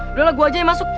udah lah gue aja yang masuk